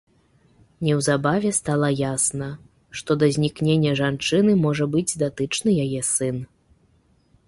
Неўзабаве стала ясна, што да знікнення жанчыны можа быць датычны яе сын.